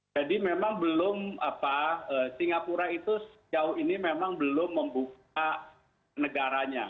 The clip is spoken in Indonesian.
jadi memang belum singapura itu jauh ini memang belum membuka negaranya